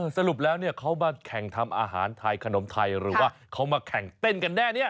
สรุปแล้วเขามาแข่งทำอาหารไทยขนมไทยหรือว่าเขามาแข่งเต้นกันแน่เนี่ย